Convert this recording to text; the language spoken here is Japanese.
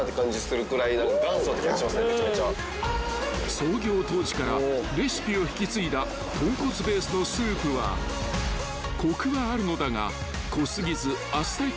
［創業当時からレシピを引き継いだ豚骨ベースのスープはコクはあるのだが濃過ぎずあっさりとした味わい］